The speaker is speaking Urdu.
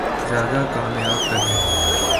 زیادہ کامیاب کریں